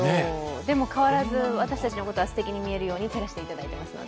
でも変わらず私たちのことは素敵に見えるように照らしていただいていますね。